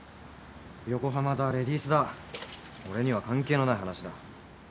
横浜だレディースだ俺には関係のない話だ。